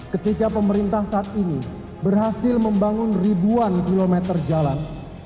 ketika pemerintah saat ini berhasil membangun ribuan kilometer jalan